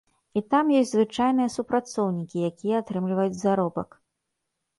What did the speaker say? І там ёсць звычайныя супрацоўнікі, якія атрымліваюць заробак.